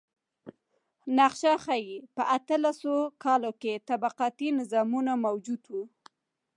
نقشه ښيي په اتلس سوه کال کې طبقاتي نظامونه موجود و.